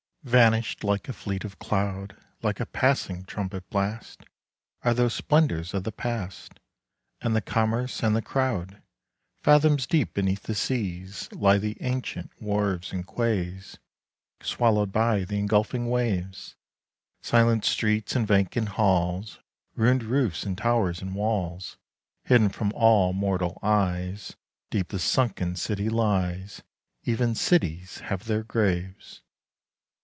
Vanished like a fleet of cloud, Like a passing trumpet blast, 50 Are those splendours of the past, And the commerce and the crowd! Fathoms deep beneath the seas Lie the ancient wharves and quays Swallowed by the engulfing waves; 55 Silent streets and vacant halls, Ruined roofs and towers and walls; Hidden from all mortal eyes Deep the sunken city lies: Even cities have their graves!